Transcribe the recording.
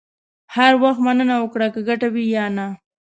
هر وخت مننه وکړه، که ګټه وي یا نه.